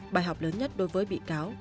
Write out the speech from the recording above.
bài học lớn nhất đối với bị cáo